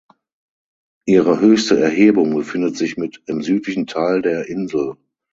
Ihre höchste Erhebung befindet sich mit im südlichen Teil der Insel.